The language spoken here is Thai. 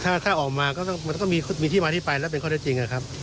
ถ้าถ้าออกมาก็ต้องมันต้องมีที่มาที่ไปแล้วเป็นข้อเดียวจริงอ่ะครับ